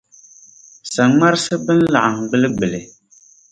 Saŋmarisi bɛn laɣim gbilligbilli.